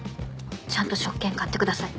ちゃんと食券買ってください。